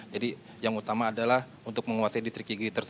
jadi yang utama adalah untuk menguasai distrik yigi